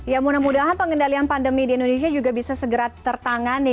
ya mudah mudahan pengendalian pandemi di indonesia juga bisa segera tertangani